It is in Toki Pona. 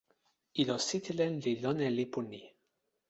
ilo sitelen li lon e lipu ni.